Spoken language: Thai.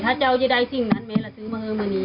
ถ้าเจ้าจะได้สิ่งนั้นแม้ล่ะซื้อมานี้